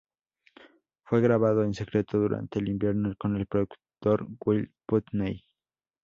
Fue grabado en secreto durante el invierno con el productor Will Putney.